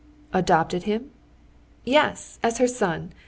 "Adopted him?" "Yes, as her son.